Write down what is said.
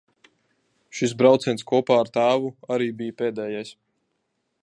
Šis brauciens kopā ar tēvu arī bija pēdējais.